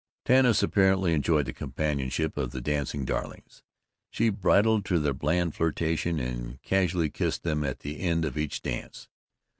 Tanis apparently enjoyed the companionship of the dancing darlings; she bridled to their bland flirtation and casually kissed them at the end of each dance.